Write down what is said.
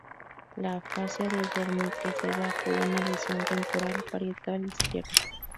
La afasia de Wernicke se da por una lesión temporal-parietal izquierda.